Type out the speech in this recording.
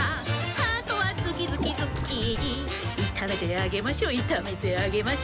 「ハートはズキズキズッキーニ」「いためてあげましょいためてあげましょ」